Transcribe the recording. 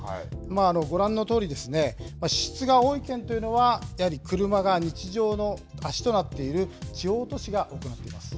ご覧のとおり、支出が多い県というのは、やはり車が日常の足となっている地方都市が多くなっています。